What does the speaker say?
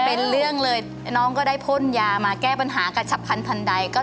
เป็นเรื่องเลยน้องก็ได้พ่นยามาแก้ปัญหากระฉับพันธุใดก็